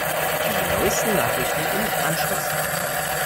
Die neusten Nachrichten im Anschluss.